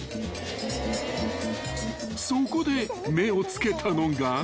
［そこで目を付けたのが］